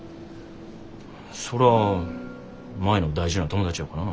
そら舞の大事な友達やからな。